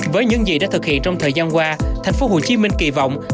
với những gì đã thực hiện trong thời gian qua thành phố hồ chí minh kỳ vọng